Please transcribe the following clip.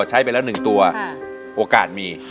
ใช้ไปแล้ว๑ตัวโอกาสมี